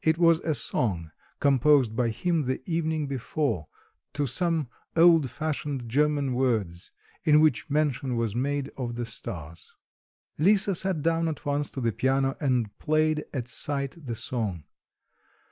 It was a song composed by him the evening before, to some old fashioned German words, in which mention was made of the stars. Lisa sat down at once to the piano and played at sight the song....